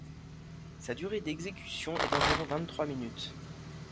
Sa durée d'exécution est d'environ vingt-trois minutes.